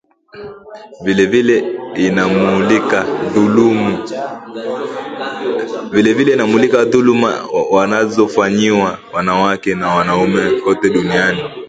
Vilievile, inamulika dhuluma wanazofanyiwa wanawake na wanaume kote duniani